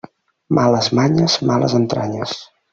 Males manyes, males entranyes.